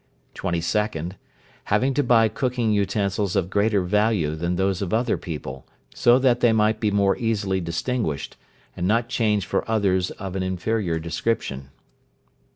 22nd. Having to buy cooking utensils of greater value than those of other people, so that they might be more easily distinguished, and not changed for others of an inferior description.